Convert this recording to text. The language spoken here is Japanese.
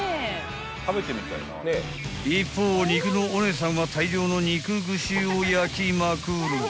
［一方肉のお姉さんは大量の肉串を焼きまくる］